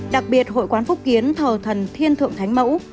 đặc biệt hội quán phúc kiến thờ thần thiên thượng thánh mẫu